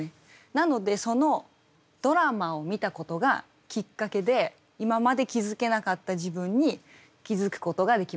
なのでそのドラマを見たことがきっかけで今まで気付けなかった自分に気付くことができました。